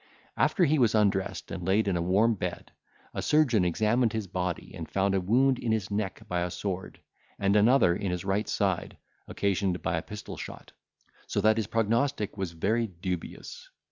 After he was undressed, and laid in a warm bed, a surgeon examined his body, and found a wound in his neck by a sword, and another in his right side, occasioned by a pistol shot; so that his prognostic was very dubious.